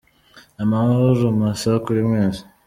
Amahoro masa kuri mwese